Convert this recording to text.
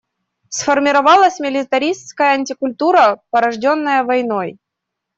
Сформировалась милитаристская антикультура, порожденная войной.